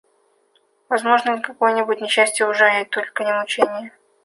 Возможно ли какое-нибудь не счастье уже, а только не мученье?